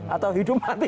atau hidup mati